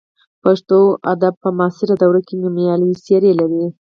پښتو ادب په معاصره دوره کې نومیالۍ څېرې لري.